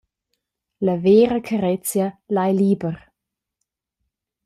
La vera carezia lai liber.